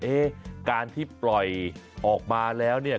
เอ๊ะการที่ปล่อยออกมาแล้วเนี่ย